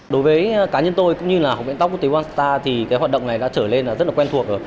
đối với cá nhân tôi cũng như là học bệnh tóc của tây quang star thì cái hoạt động này đã trở lên là rất là quen thuộc